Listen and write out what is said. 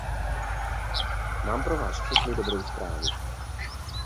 Mám pro vás všechny dobrou zprávu.